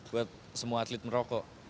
buat semua atlet merokok